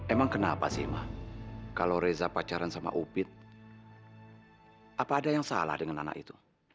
emang kenapa sih ma kalau reza pacaran sama upit apa ada yang salah dengan anak itu